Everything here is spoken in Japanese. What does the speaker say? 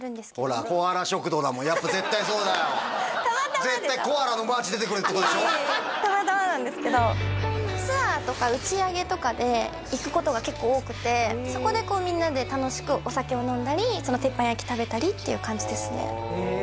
たまたまなんですけどツアーとか打ち上げとかで行くことが結構多くてそこでこうみんなで楽しくお酒を飲んだり鉄板焼き食べたりっていう感じですねへえへえ